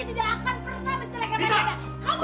tidak akan pernah menyerahkan mas